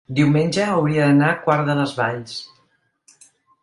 Diumenge hauria d'anar a Quart de les Valls.